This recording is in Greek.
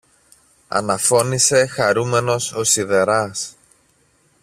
αναφώνησε χαρούμενος ο σιδεράς.